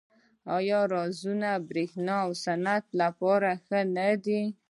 آیا ارزانه بریښنا د صنعت لپاره ښه نه ده؟